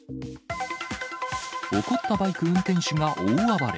怒ったバイク運転手が大暴れ。